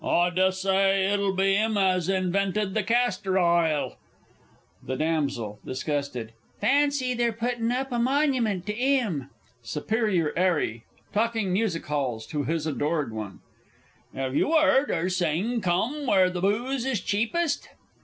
I dessay it'll be 'im as invented the Castor Ile. THE DAMSEL (disgusted). Fancy their puttin' up a monument to 'im! SUPERIOR 'ARRY (talking Musichalls to his Adored One). 'Ave you 'eard her sing "Come where the Booze is Cheapest?"